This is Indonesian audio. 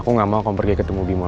untuk kohit ku nunggu toko